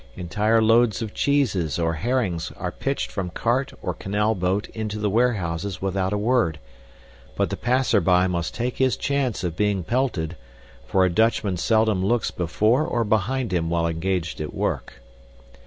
Entire loads of cheeses or herrings are pitched from cart or canalboat into the warehouses without a word; but the passerby must take his chance of being pelted, for a Dutchman seldom looks before or behind him while engaged at work.